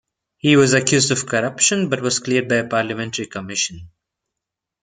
He was accused of corruption, but was cleared by a parliamentary commission.